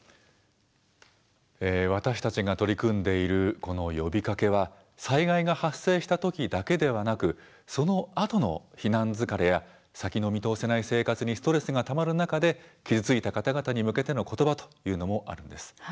私たちが取り組んでいるこの呼びかけは災害が発生したときだけではなくそのあとの避難疲れや先の見通せない生活にストレスがたまる中で傷ついた方々に向けてのことばというのもあります。